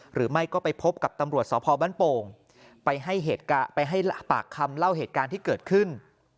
หรือไม่ก็ไปพบกับตำรวจสพบ้านโป่งไปให้ปากคำเล่าเหตุการณ์ที่เกิดขึ้น